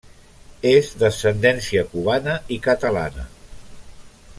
És d'ascendència cubana i catalana.